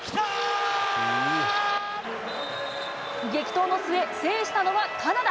激闘の末、制したのはカナダ。